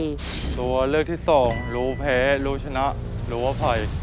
รู้ว่าเลือกที่๒รู้แพ้รู้ชนะรู้อภัย